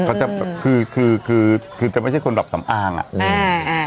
เขาจะคือคือคือคือจะไม่ใช่คนแบบสำอ้างอ่ะอ่า